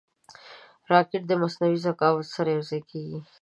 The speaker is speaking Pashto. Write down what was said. راکټ د مصنوعي ذکاوت سره یوځای کېږي